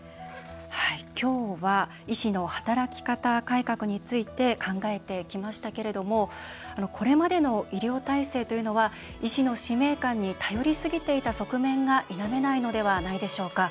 今日は医師の働き方改革について考えてきましたけどもこれまでの医療体制というのは医師の使命感に頼りすぎてきた側面が否めないのではないでしょうか。